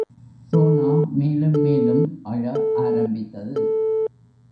சோனா மேலும் மேலும் அழ ஆரம்பித்தது.